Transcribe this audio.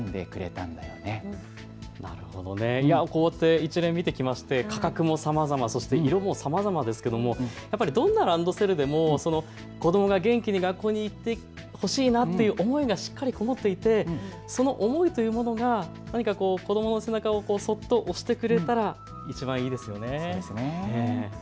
一連、見てきまして価格もさまざま、色もさまざまですけれど、どんなランドセルでも子どもが元気に楽に行ってほしいなというのはしっかりこもっていてその思いというものが子どもの背中をそっと押してくれたらいちばんいいですよね。